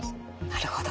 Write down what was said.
なるほど。